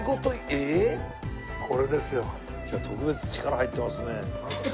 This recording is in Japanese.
今日は特別力が入ってますね。